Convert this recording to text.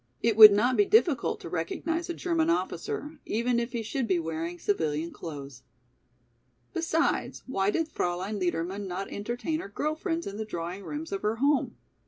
It would not be difficult to recognize a German officer, even if he should be wearing civilian clothes. Besides why did Fraulein Liedermann not entertain her girl friends in the drawing rooms of her home?